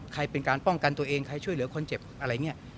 เป็นการป้องกันตัวเองใครช่วยเหลือคนเจ็บอะไรอย่างนี้